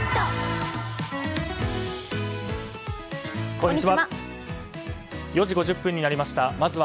こんにちは。